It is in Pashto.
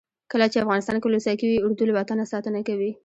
کله چې افغانستان کې ولسواکي وي اردو له وطنه ساتنه کوي.